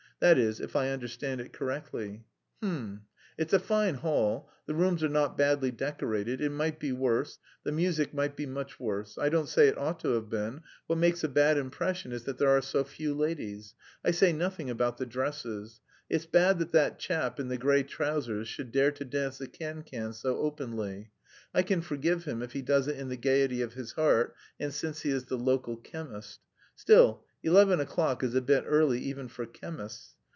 that is, if I understand it correctly.... H'm! It's a fine hall; the rooms are not badly decorated. It might be worse. The music might be much worse.... I don't say it ought to have been. What makes a bad impression is that there are so few ladies. I say nothing about the dresses. It's bad that that chap in the grey trousers should dare to dance the cancan so openly. I can forgive him if he does it in the gaiety of his heart, and since he is the local chemist.... Still, eleven o'clock is a bit early even for chemists.